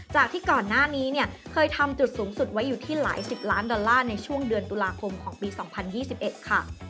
จากที่ก่อนหน้านี้เนี่ยเคยทำจุดสูงสุดไว้อยู่ที่หลายสิบล้านดอลลาร์ในช่วงเดือนตุลาคมของปี๒๐๒๑ค่ะ